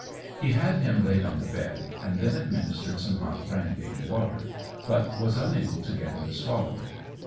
He had him laid on the bed, and then administered some hot brandy and water, but was unable to get him to swallow it.